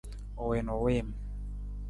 U wii na u wiim.